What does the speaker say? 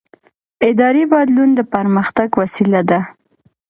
اداري بدلون د پرمختګ وسیله ده